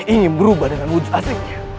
ini berubah dengan wujud aslinya